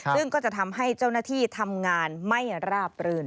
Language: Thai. ซึ่งก็จะทำให้เจ้าหน้าที่ทำงานไม่ราบรื่น